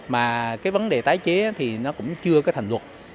mà cái vấn đề tái chế thì nó cũng chưa có thành luật